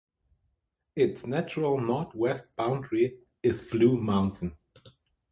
Its natural northwest boundary is Blue Mountain.